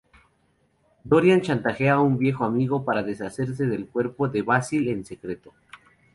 Dorian chantajea a un viejo amigo para deshacerse del cuerpo de Basil en secreto.